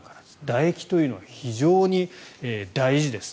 だ液というのは非常に大事です。